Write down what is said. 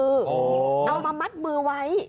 เอามามัดมือไว้